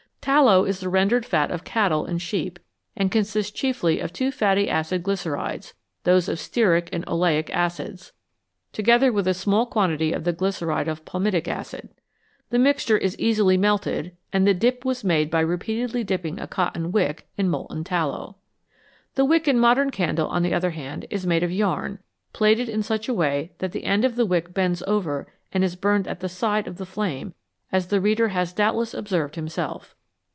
Tallow is the rendered fat of cattle and sheep, and con sists chiefly of two fatty acid glycerides, those of stearic and oleic acids, together with a small quantity of the glyceride of palmitic acid. The mixture is easily melted, and the " dip " was made by repeatedly dipping a cotton wick in molten tallow. The wick in a modern candle, on the other hand, is made of yarn, plaited in such a way that the end of the wick bends over and is burned at the side of the flame, as the reader has doubtless observed himself.